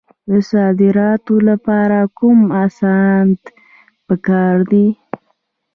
د صادراتو لپاره کوم اسناد پکار دي؟